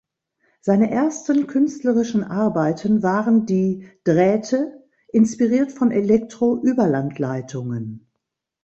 Seine ersten künstlerischen Arbeiten waren die "Drähte", inspiriert von Elektro-Überlandleitungen.